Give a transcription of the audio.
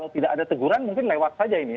tidak ada teguran mungkin lewat saja ini